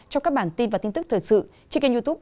trong các bản tin và tin tức thời sự trên kênh youtube